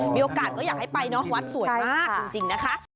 มีโอกาสก็อยากให้ไปเนาะวัดสวยมากจริงนะคะ